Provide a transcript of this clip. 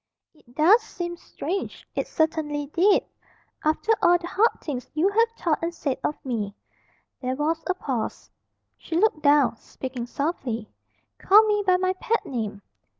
"It does seem strange." It certainly did. "After all the hard things you have thought and said of me." There was a pause. She looked down, speaking softly. "Call me by my pet name."